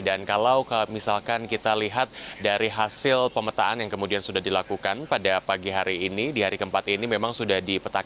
dan kalau misalkan kita lihat dari hasil pemetaan yang kemudian sudah dilakukan pada pagi hari ini di hari keempat ini memang sudah dipetakan